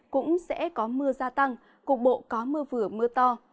cũng sẽ có mưa gia tăng cục bộ có mưa vừa mưa to